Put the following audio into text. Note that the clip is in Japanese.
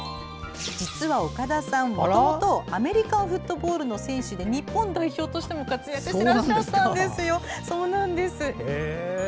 実は岡田さん、もともとアメリカンフットボールの選手で日本代表としても活躍していらっしゃったんですよ。